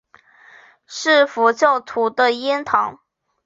是佛教徒的庵堂。